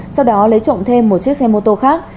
sau đó lấy trộm thêm một chiếc xe mô tô khác